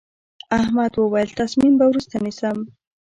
احمد وويل: تصمیم به وروسته نیسم.